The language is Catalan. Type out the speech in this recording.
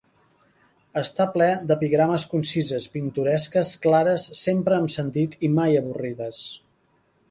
Està ple d'epigrames concises, pintoresques, clares, sempre amb sentit i mai avorrides.